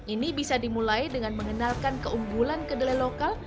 ini bisa dimulai dengan mengenalkan keunggulan kedelai lokal